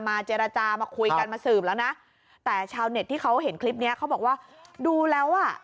เจรจามาคุยกันมาสืบแล้วนะแต่ชาวเน็ตที่เขาเห็นคลิปเนี้ยเขาบอกว่าดูแล้วอ่ะ